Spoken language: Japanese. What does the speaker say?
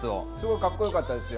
かっこよかったですよ。